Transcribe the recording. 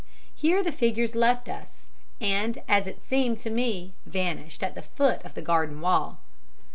Here the figures left us, and as it seemed to me vanished at the foot of the garden wall.